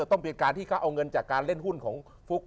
ต้องเป็นการที่เขาเอาเงินจากการเล่นหุ้นของฟุ๊ก